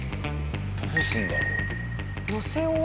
どうするんだろう？